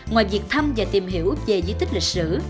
ngoài việc thăm và tìm hiểu về di tích lịch sử